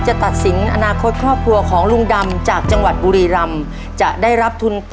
จำนวน๓๕กล้ามนะครับ